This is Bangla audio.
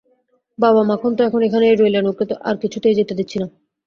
বাবা মাখন তো এখন এখানেই রইলেন, ওঁকে আর কিছুতেই যেতে দিচ্ছি নে।